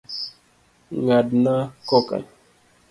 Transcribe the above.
Ng'adnan koka.